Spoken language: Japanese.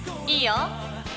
いいよ。